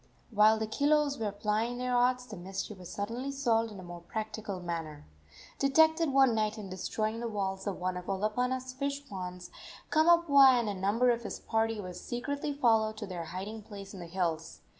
While the kilos were plying their arts the mystery was suddenly solved in a more practical manner. Detected one night in destroying the walls of one of Olopana's fish ponds, Kamapuaa and a number of his party were secretly followed to their hiding place in the hills.